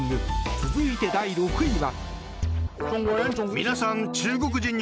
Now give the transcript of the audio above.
続いて、第６位は。